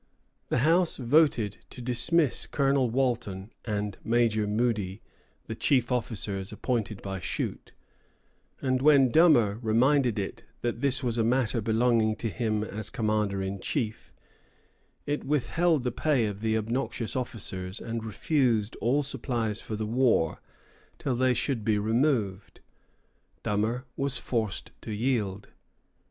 The House voted to dismiss Colonel Walton and Major Moody, the chief officers appointed by Shute; and when Dummer reminded it that this was a matter belonging to him as commander in chief, it withheld the pay of the obnoxious officers and refused all supplies for the war till they should be removed. Dummer was forced to yield.